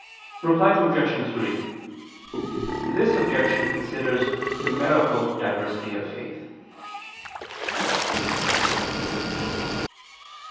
Reply Obj. 3: This objection considers numerical diversity of faith.